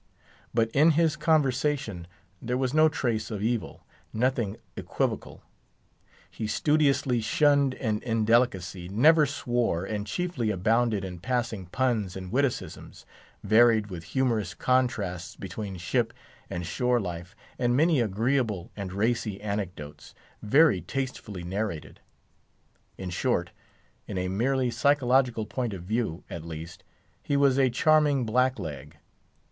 But in his conversation there was no trace of evil; nothing equivocal; he studiously shunned an indelicacy, never swore, and chiefly abounded in passing puns and witticisms, varied with humorous contrasts between ship and shore life, and many agreeable and racy anecdotes, very tastefully narrated. In short—in a merely psychological point of view, at least—he was a charming blackleg.